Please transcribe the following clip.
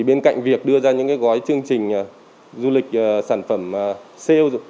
bên cạnh việc đưa ra những gói chương trình du lịch sản phẩm co